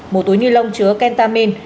một túi ni lông chứa ketamine